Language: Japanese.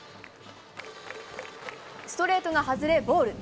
ストレートが外れボール。